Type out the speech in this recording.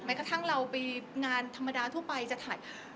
กระทั่งเราไปงานธรรมดาทั่วไปจะถ่าย